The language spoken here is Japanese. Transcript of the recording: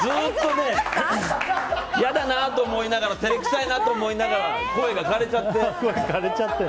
嫌だなと思いながら照れくさいなと思いながら声が枯れちゃって。